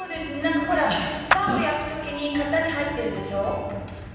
パンを焼く時何か型に入ってるでしょ。